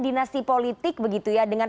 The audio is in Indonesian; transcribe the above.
dinasti politik begitu ya dengan